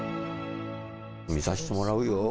見させてもらうよ。